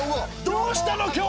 どうしたの今日？